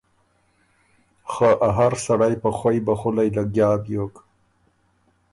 خه ا هر سړئ په خوئ بخولئ لګیا بیوک